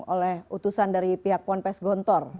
oleh utusan dari pihak puan pes gontor